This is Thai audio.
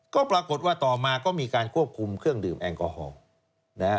ก็ปรากฏว่าต่อมาก็มีการควบคุมเครื่องดื่มแอลกอฮอล์นะฮะ